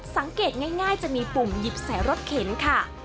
สังเกตง่ายจะมีปุ่มหยิบใส่รถเข็นค่ะ